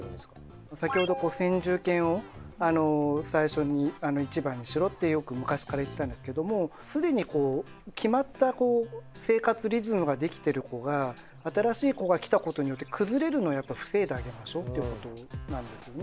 先ほど先住犬を最初に一番にしろってよく昔から言ってたんですけども既にこう決まった生活リズムができている子が新しい子が来たことによって崩れるのをやっぱり防いであげましょうっていうことなんですよね。